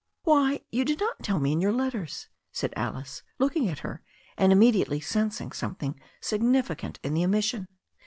"Why, you did not tell me in your letters," said Alice, looking at her, and immediately sensing something signifi cant in the omission.